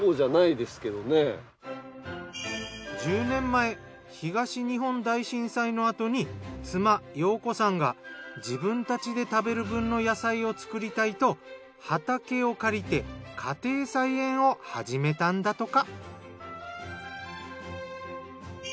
１０年前東日本大震災の後に妻洋子さんが自分たちで食べる分の野菜を作りたいと畑を借りて家庭菜園を始めたんだとか。